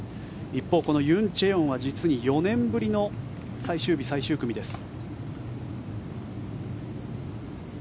一方、このユン・チェヨンは実に４年ぶりの最終日、最終組です。